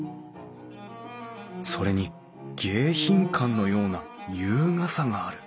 それに迎賓館のような優雅さがある